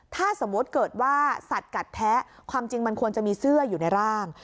ถ้าสมมุติเกิดว่าสัตว์กัดแท้ความจริงมันควรจะมีเสื้ออยู่ในร่าง